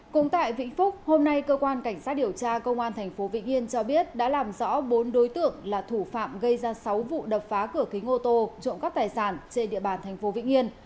cũng tại vĩnh phúc hôm nay cơ quan cảnh sát điều tra công an tp vĩnh yên cho biết đã làm rõ bốn đối tượng là thủ phạm gây ra sáu vụ đập phá cửa kính ô tô trộm cắp tài sản trên địa bàn thành phố vĩnh yên